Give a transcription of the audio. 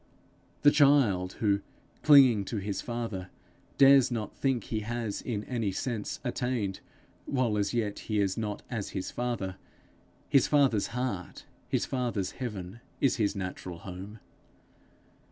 The child who, clinging to his Father, dares not think he has in any sense attained while as yet he is not as his Father his Father's heart, his Father's heaven is his natural home.